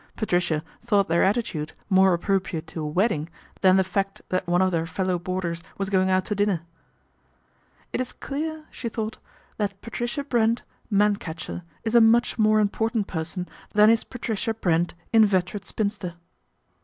Patricia thought their attitude more appro priate to a wedding than the fact that one of their fellow boarders was going out to dinner. "It is clear," she thought, " that Patricia Brent, man catcher, is a much more important person than is Patricia Brent, inveterate spinster."